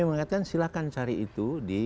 mengatakan silakan cari itu